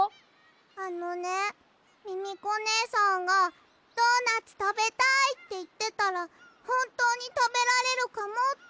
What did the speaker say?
あのねミミコねえさんが「ドーナツたべたい！」っていってたらほんとうにたべられるかもって。